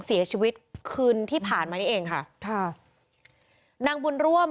เสียชีวิตคืนที่ผ่านมานี่เองค่ะค่ะนางบุญร่วม